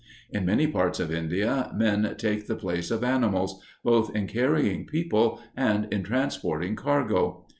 In many parts of India, men take the place of animals, both in carrying people and in transporting cargo.